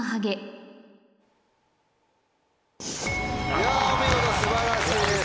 いやお見事素晴らしいです